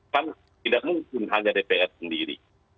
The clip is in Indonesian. kan tidak mungkin hanya dpr sendiri